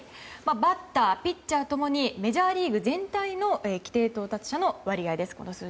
バッター、ピッチャー共にメジャーリーグ全体の規定到達者の数字です。